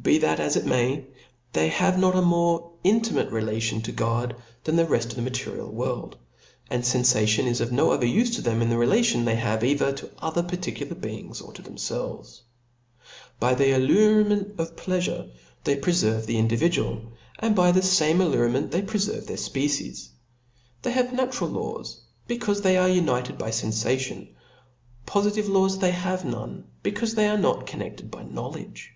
Be that as it may, they have not a more intimate relation to God than the reft of the material world; and fenfation is* of no other ufe to them, than in the relation they have cither toother particular beings, or to themfelves. B 2 Bjr 4 , T HE SPIRIT Book By the allurement of pleafure they preferve the ^ individual, and by the fame allurement they pre ferve their fpecies. They have natural laws, be caufe they ^re united by fenfation ; pofitive laws they have none, becaufe they are not connedled by knowledge.